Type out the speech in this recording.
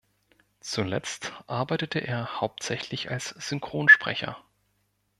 Zuletzt arbeitete er hauptsächlich als Synchronsprecher.